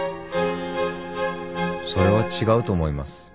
それは違うと思います。